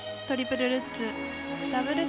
トリプルルッツ。